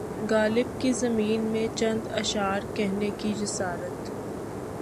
غالب کی زمین میں چند اشعار کہنے کی جسارت